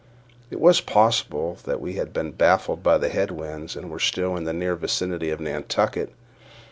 It was possible that we had been baffled by head winds, and were still in the near vicinity of Nantucket.